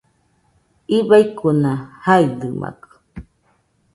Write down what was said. Ibaikuna jaidɨmakɨ